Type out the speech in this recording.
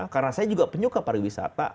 karena saya juga penyuka pariwisata